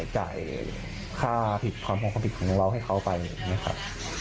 จ่ายค่าผิดความผิดของเราให้เขาไปอย่างนี้ครับ